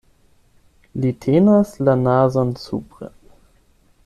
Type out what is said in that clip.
Li tenas la nazon supren.